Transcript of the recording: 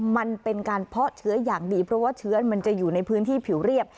มันเป็นการเพาะเชื้ออย่างดีเพราะว่าเชื้อมันจะอยู่ในพื้นที่ผิวเรียบ